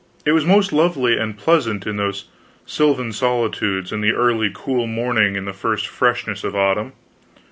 It was most lovely and pleasant in those sylvan solitudes in the early cool morning in the first freshness of autumn.